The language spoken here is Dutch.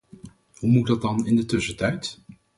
Hoe moet dat dan in de tussentijd?